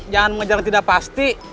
jangan mengejar tidak pasti